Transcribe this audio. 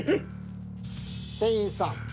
店員さん。